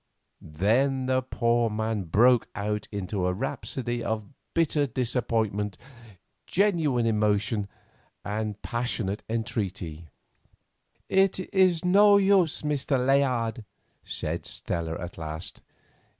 Then the poor man broke out into a rhapsody of bitter disappointment, genuine emotion, and passionate entreaty. "It is no use, Mr. Layard," said Stella at last.